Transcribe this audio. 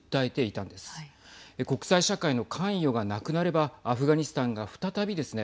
国際社会の関与がなくなればアフガニスタンが再びですね